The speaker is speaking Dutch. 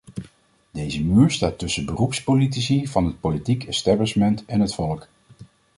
Deze muur staat tussen beroepspolitici van het politieke establishment en het volk.